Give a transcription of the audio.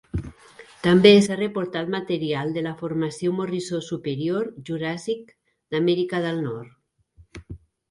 També s'ha reportat material de la Formació Morrisó Superior Juràssic d'Amèrica del Nord.